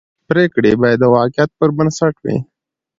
پرېکړې باید د واقعیت پر بنسټ وي